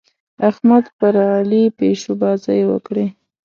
احمد پر علي پيشوبازۍ وکړې.